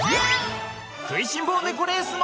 食いしん坊ネコレースも！